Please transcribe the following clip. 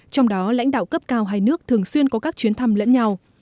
trong đó lãnh đạo cấp cao hai nước thường xuyên có các chuyến thăm lẫn nhau